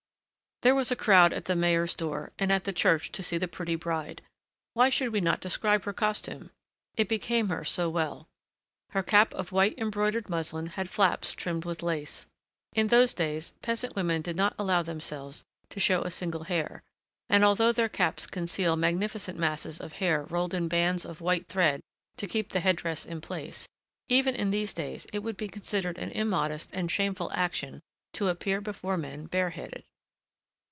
There was a crowd at the mayor's door and at the church to see the pretty bride. Why should we not describe her costume? it became her so well. Her cap of white embroidered muslin had flaps trimmed with lace. In those days, peasant women did not allow themselves to show a single hair; and although their caps conceal magnificent masses of hair rolled in bands of white thread to keep the head dress in place, even in these days it would be considered an immodest and shameful action to appear before men bareheaded.